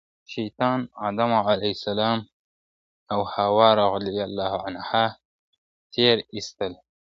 شيطان آدم عليه السلام او حوا رضي الله عنها تير ايستل.